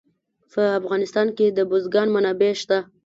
په افغانستان کې د بزګان منابع شته.